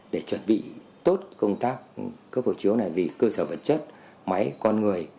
để chuẩn bị tốt công tác cấp hộ chiếu này vì cơ sở vật chất máy con người